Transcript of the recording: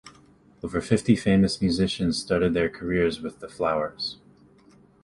Over fifty famous musicians started their careers with The Flowers.